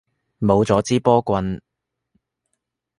冇咗支波棍